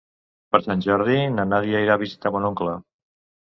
Per Sant Jordi na Nàdia irà a visitar mon oncle.